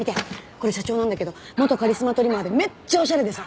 これ社長なんだけど元カリスマトリマーでめっちゃおしゃれでさ。